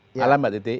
selamat malam mbak titi